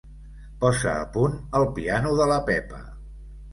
Posa a punt el piano de la Pepa.